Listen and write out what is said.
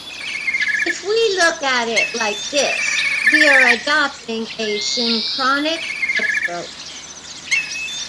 If we look at it like this, we are adopting a synchronic approach.